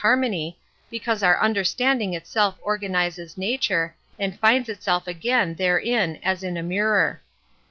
Metaphysics 85 harmony) because our understanding itself organizes nature, and finds itself again therein as in a mirror.